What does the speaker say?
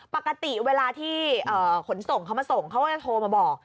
ปกติเวลาที่ขนส่งเขามาส่งเขาก็จะโทรมาบอก